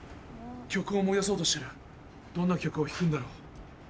曲を思い出そうとしてるどんな曲を弾くんだろう？